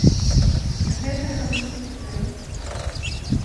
Гэтага мне не трэба.